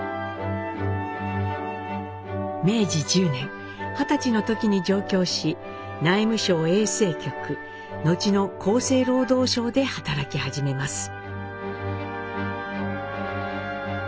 明治１０年二十歳の時に上京し内務省衛生局後の厚生労働省で働き始めます。